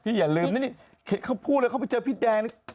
อย่าลืมนะนี่เขาพูดเลยเขาไปเจอพี่แดงนี่